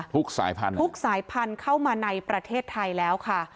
สายพันธุ์ทุกสายพันธุ์เข้ามาในประเทศไทยแล้วค่ะ